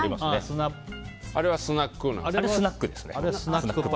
あれはスナックですね。